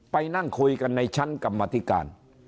ไปนั่งคุยกันในชั้นกรรมธิการ